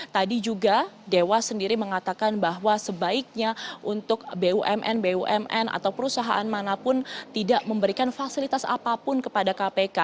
tadi juga dewas sendiri mengatakan bahwa sebaiknya untuk bumn bumn atau perusahaan manapun tidak memberikan fasilitas apapun kepada kpk